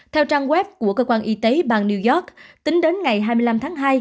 theo trang web của cơ quan y tế bang new york tính đến ngày hai mươi năm tháng hai